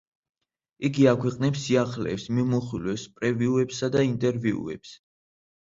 იგი აქვეყნებს სიახლეებს, მიმოხილვებს, პრევიუებსა და ინტერვიუებს.